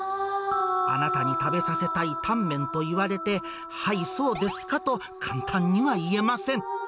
あなたに食べさせたいタンメンと言われて、はい、そうですかと簡単には言えません。